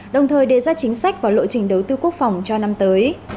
đồng thời đề ra chính sách và lộ trình đầu tư quốc phòng cho năm tới